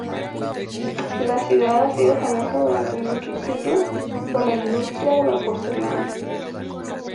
La ciudad ha sido famosa durante muchos siglos por la industria de la porcelana.